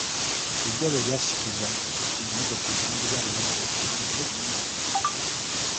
Eddwaliro lyasikizza emmotoka etambuza abalwadde enkadde n'empya.